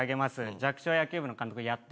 弱小野球部の監督やって。